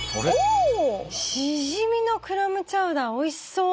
しじみのクラムチャウダーおいしそう！